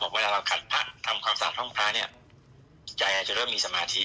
เวลาเราขัดพระทำความสะอาดห้องพระเนี่ยใจอาจจะเริ่มมีสมาธิ